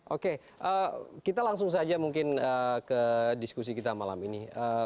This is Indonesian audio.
oke kita langsung saja mungkin ke diskusi kita malam ini